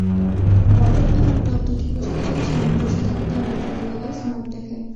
Bottom এবং টপ—দুটি পোশাকে যদি সামঞ্জস্য থাকে, তাহলে ক্যাজুয়ালেও স্মার্ট দেখায়।